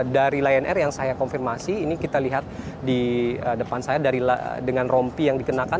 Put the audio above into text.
dari lion air yang saya konfirmasi ini kita lihat di depan saya dengan rompi yang dikenakan